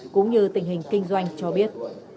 cũng như tình hình kinh doanh cho biết